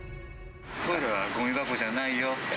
トイレはごみ箱じゃないよ。